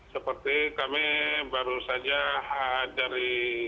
seperti kami baru saja dari